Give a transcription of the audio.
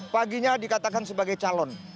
paginya dikatakan sebagai calon